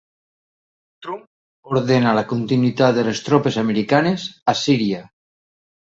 Trump ordena la continuïtat de les tropes americanes a Síria